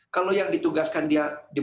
kalau yang ditugaskan di perusahaan itu